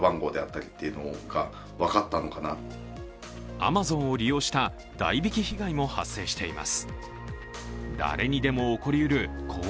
アマゾンを利用した代引被害も発生しています。